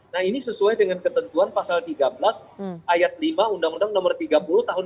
nah ini sesuai dengan ketentuan pasal tiga belas ayat lima undang undang nomor tiga puluh tahun dua ribu dua puluh